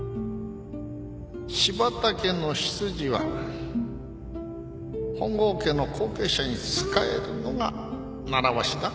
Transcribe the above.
柴田家の執事は本郷家の後継者に仕えるのが習わしだ。